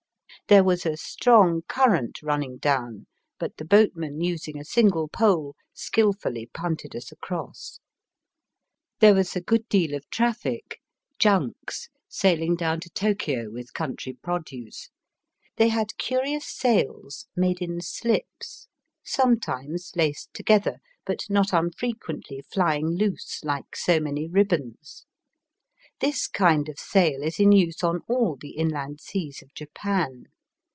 There was a strong current running down, but the boatman using a single pole skilfully punted us across. There was a good deal of traffic, junks sailing down to Tokio with country produce. They had curious sails made in slips, sometimes laced together, but not unfrequently flying loose, like so many ribbons. This kind of sail is in use on all the inland seas of Japan.